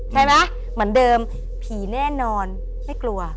ใช่มั้ยเหมือนเดิมผีแน่นอนไม่กลัว